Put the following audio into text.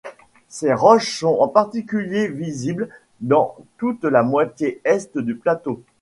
Ces roches sont en particulier visibles dans toute la moitié Est du plateau.